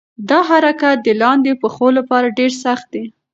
دا حرکت د لاندې پښو لپاره ډېر سخت دی.